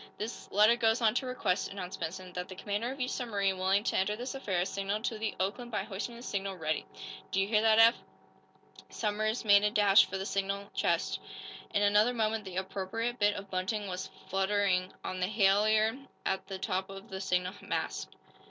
"This letter goes on to request," announced Benson, "that the commander of each submarine willing to enter this affair signal to the 'Oakland' by hoisting the signal 'Ready.' Do you hear that, Eph?" Somers made a dash for the signal chest. In another moment the appropriate bit of bunting was fluttering on the halliard at the top of the signal mast.